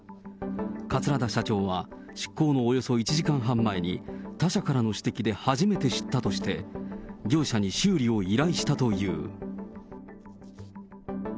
桂田社長は、出航のおよそ１時間半前に、他社からの指摘で初めて知ったとして、業者に修理を依頼したという。